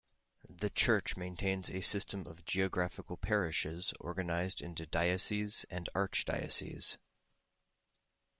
The church maintains a system of geographical parishes organized into dioceses and archdioceses.